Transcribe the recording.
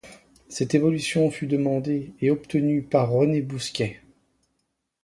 Cette évolution fut demandée et obtenue par René Bousquet.